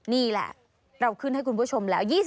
นี่แหละเราขึ้นให้คุณผู้ชมแล้ว